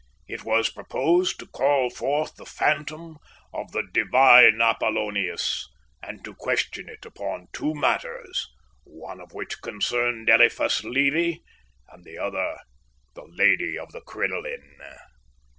It was proposed to call forth the phantom of the divine Apollonius, and to question it upon two matters, one of which concerned Eliphas Levi and the other, the lady of the crinoline.